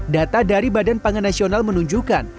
data dari badan pangan nasional menunjukkan